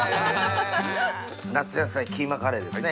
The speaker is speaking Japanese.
夏野菜キーマカレーですね